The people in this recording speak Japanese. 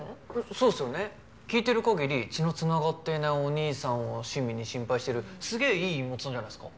そうっすよね聞いてる限り血の繋がっていないお兄さんを親身に心配してるすげえいい妹さんじゃないですか。